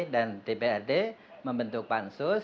dan dprd membentuk pansus